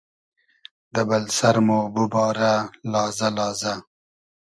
دۂ بئل سئر مۉ بوبارۂ لازۂ لازۂ